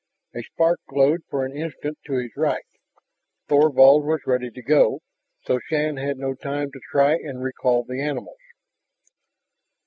A spark glowed for an instant to his right; Thorvald was ready to go, so Shann had no time to try and recall the animals.